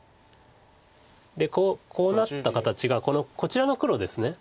でこうなった形がこちらの黒です。